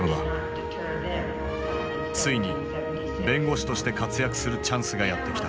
ついに弁護士として活躍するチャンスがやって来た。